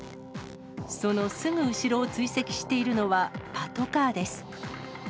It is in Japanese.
そのすぐ後ろを追跡しているのはパトカーです。